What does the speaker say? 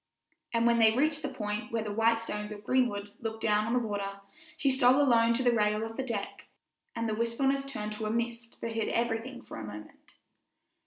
And when they reached the point where the white stones of Greenwood look down on the water, she stole alone to the rail of the deck, and the wistfulness turned to a mist that hid everything for a moment.